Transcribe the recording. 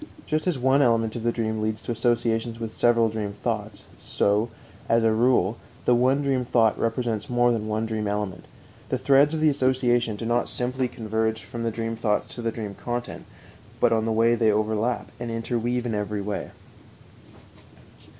Just as one element of the dream leads to associations with several dream thoughts, so, as a rule, the one dream thought represents more than one dream element. The threads of the association do not simply converge from the dream thoughts to the dream content, but on the way they overlap and interweave in every way.